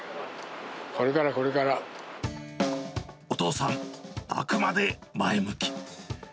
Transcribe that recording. これから、お父さん、あくまで前向き。